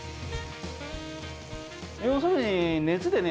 要するに熱でね